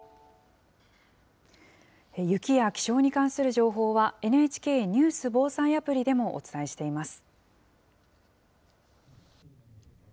情報はＮＨＫニュース・防災アプリでもお伝えしています。